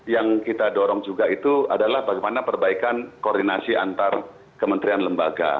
yang kita dorong juga itu adalah bagaimana perbaikan koordinasi antar kementerian lembaga